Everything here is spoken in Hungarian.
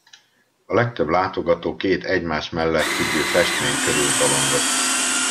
A legtöbb látogató két egymás mellett függő festmény körül tolongott.